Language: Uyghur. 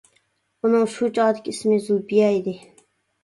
ئۇنىڭ شۇ چاغدىكى ئىسمى زۇلپىيە ئىدى.